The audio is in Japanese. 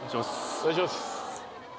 お願いします